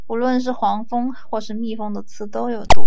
不论是黄蜂或是蜜蜂的刺都有毒。